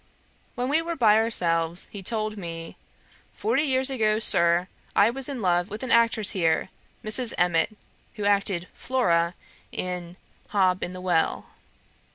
When we were by ourselves he told me, 'Forty years ago, Sir, I was in love with an actress here, Mrs. Emmet, who acted Flora, in Hob in the Well.'